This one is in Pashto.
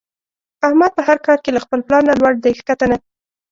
احمد په هر کار کې له خپل پلار نه لوړ دی ښکته نه.